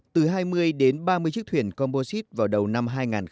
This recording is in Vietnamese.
từ hai mươi đến ba mươi chiếc thuyền composite vào đầu năm hai nghìn một mươi bảy